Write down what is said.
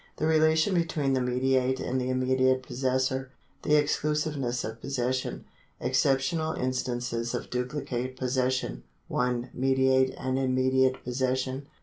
The relation between the mediate and the immediate possessor. The exclusiveness of jDOSsession. Exceptional instances of duplicate possession : 1. Mediate and immediate possession.